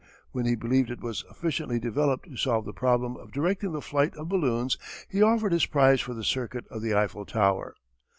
When he believed it was sufficiently developed to solve the problem of directing the flight of balloons he offered his prize for the circuit of the Eiffel Tower.